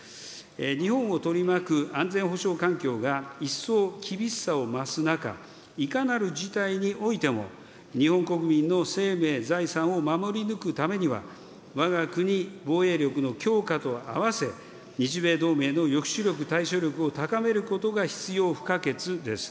日本を取り巻く安全保障環境が一層厳しさを増す中、いかなる事態においても、日本国民の生命、財産を守り抜くためには、わが国防衛力の強化とあわせ、日米同盟の抑止力、対処力を高めることが必要不可欠です。